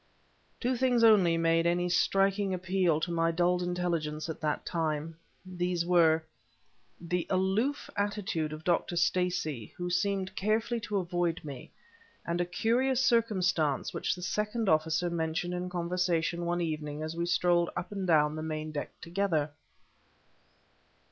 Two things only made any striking appeal to my dulled intelligence at that time. These were: the aloof attitude of Dr. Stacey, who seemed carefully to avoid me; and a curious circumstance which the second officer mentioned in conversation one evening as we strolled up and down the main deck together.